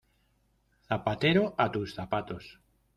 Zapatero a tus zapatos.